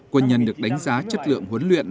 quân nhân được đánh giá chất lượng huấn luyện